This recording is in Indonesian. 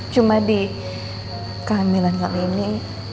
cuma di kehamilan kali ini